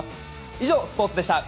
以上、スポーツでした。